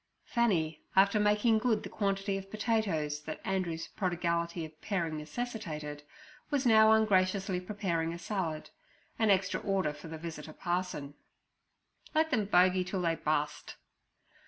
Fanny, after making good the quantity of potatoes that Andrew's prodigality of paring necessitated, was now ungraciously preparing a salad—an extra order for the visitor parson. 'Let 'em bogey till they bust!'